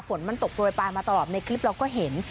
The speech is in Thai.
ฝนมันตกโรยปลายมาตลอดในคลิปเราก็เห็น